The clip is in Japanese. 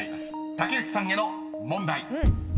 竹内さんへの問題］